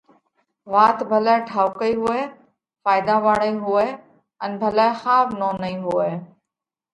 وات ڀلئہ ٺائُوڪئِي هوئہ، ڦائيۮا واۯئِي هوئہ ان ڀلئہ ۿاوَ نونَئِي هوئہ۔